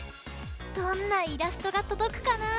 どんなイラストがとどくかな！